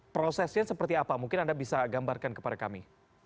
prosesnya seperti apa mungkin anda bisa gambarkan kepada kami